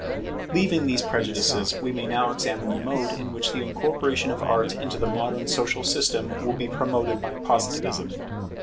Leaving these prejudices, we may now examine the mode in which the incorporation of Art into the modern social system will be promoted by Positivism.